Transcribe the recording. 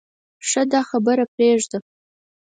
ښه ده خبره پرېږدې.